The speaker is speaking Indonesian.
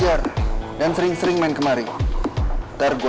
iya bang campur dulu nga